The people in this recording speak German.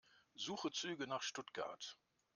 Suche Züge nach Stuttgart.